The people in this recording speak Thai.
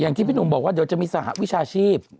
ที่พี่หนุ่มบอกว่าเดี๋ยวจะมีสหวิชาชีพ